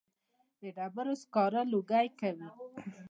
د ډبرو سکاره لوګی کوي